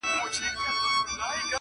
ژوند له پوښتنو ډک پاتې کيږي,